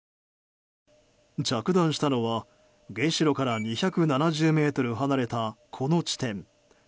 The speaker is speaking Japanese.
着弾したのは、原子炉から２７０ｍ離れたこの地点。